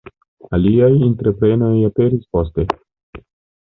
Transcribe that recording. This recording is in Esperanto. Aliaj entreprenoj aperis poste.